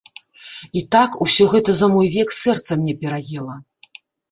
І так усё гэта за мой век сэрца мне пераела.